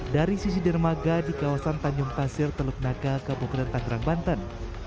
dari sisi dermaga di kawasan tanjung pasir teluk naga ke bukeran tangerang banten